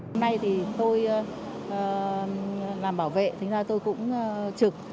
hôm nay thì tôi làm bảo vệ thành ra tôi cũng trực